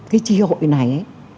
cái chi hội này